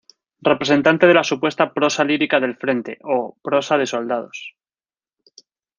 Representante de la supuesta "prosa lírica del frente" o "prosa de soldados".